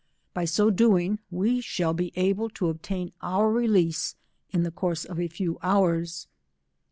By so doing we shall be able to obtain our release in the course of a few hours.